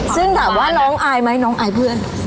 ซึ่งถามว่าน้องอายไหมน้องอายเพื่อน